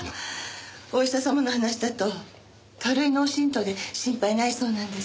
お医者様の話だと軽い脳震盪で心配ないそうなんです。